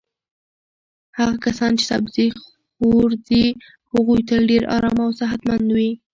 هغه کسان چې سبزي خور دي هغوی تل ډېر ارام او صحتمند وي.